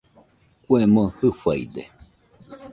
Kue moo Jɨfaide